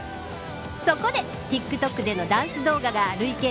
そこでＴｉｋＴｏｋでのダンス動画が累計